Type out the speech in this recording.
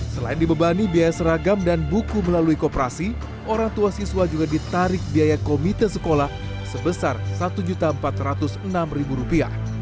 selain dibebani biaya seragam dan buku melalui kooperasi orang tua siswa juga ditarik biaya komite sekolah sebesar rp satu empat ratus enam rupiah